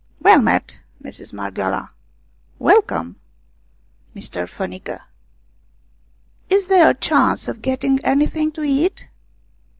" Well met, Mistress Marghioala." " Welcome, Mr. Fanica." " Is there a chance of getting anything to eat